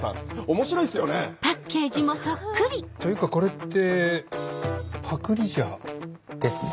面白いっすよね！というかこれってパクリじゃ。ですね。